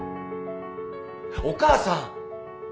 お母さん！